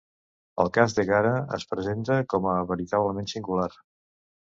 El cas d'Ègara es presenta com a veritablement singular.